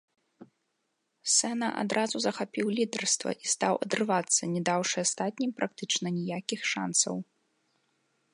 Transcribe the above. Сена адразу захапіў лідарства і стаў адрывацца, не даўшы астатнім практычна ніякіх шанцаў.